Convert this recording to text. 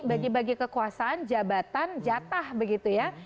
bagi bagi kekuasaan jabatan jatah begitu ya